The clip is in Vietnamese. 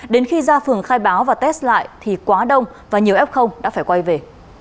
đến khi ra phường khai báo và test lại thì quá đông và nhiều f đã phải quay về